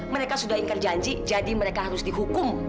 mereka sudah ingkar janji jadi mereka harus dihukum